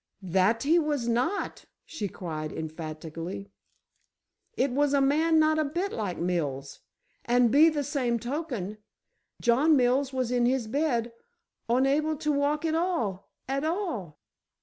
"That he was not!" she cried, emphatically. "It was a man not a bit like Mills, and be the same token, John Mills was in his bed onable to walk at all, at all."